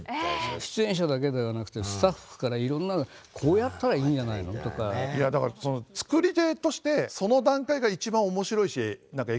出演者だけではなくてスタッフからいろんな「こうやったらいいんじゃないの？」とか。いやだからその作り手としてその段階が一番面白いし何かエキサイティング。